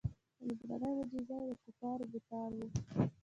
لومړنۍ معجزه یې د کفارو بتان وو.